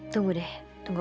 tunggu deh tunggu